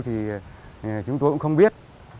thì chúng tôi cũng không biết